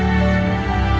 dia berusia lima belas tahun